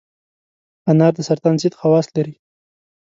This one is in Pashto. انار د سرطان ضد خواص لري.